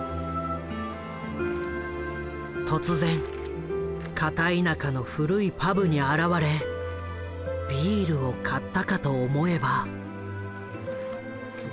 突然片田舎の古いパブに現れビールを買ったかと思えば。